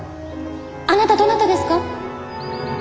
あなたどなたですか？